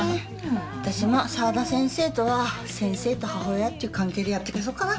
私も沢田先生とは先生と母親っていう関係でやっていけそうかな。